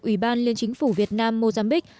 ủy ban liên chính phủ việt nam mozambique